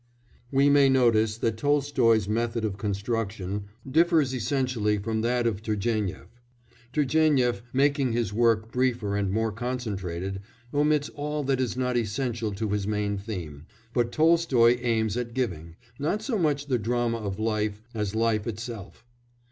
We may notice that Tolstoy's method of construction differs essentially from that of Turgénief; Turgénief, making his work briefer and more concentrated, omits all that is not essential to his main theme, but Tolstoy aims at giving, not so much the drama of life as life itself.